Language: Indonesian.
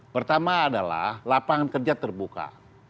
pertama adalah lapangan kerja terbuka